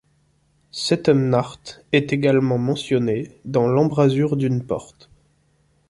Sethemnakht est également mentionné dans l'embrasure d'une porte.